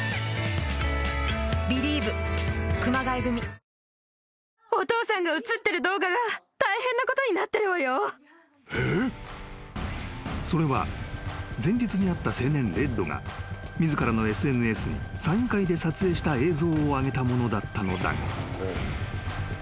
ニトリ［それは前日に会った青年レッドが自らのＳＮＳにサイン会で撮影した映像を上げたものだったのだが］